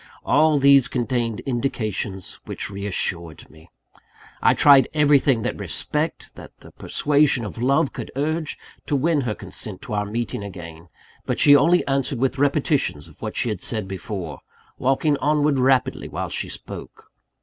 All these contained indications which reassured me. I tried everything that respect, that the persuasion of love could urge, to win her consent to our meeting again; but she only answered with repetitions of what she had said before, walking onward rapidly while she spoke.